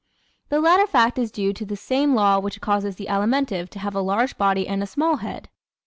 The latter fact is due to the same law which causes the Alimentive to have a large body and a small head.